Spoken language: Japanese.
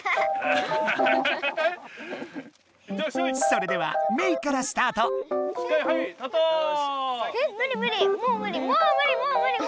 それではメイからスタート！え無理無理。